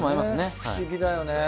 不思議だよね。